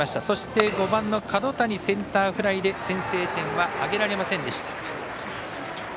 そして、５番の角谷センターフライで先制点は挙げられませんでした。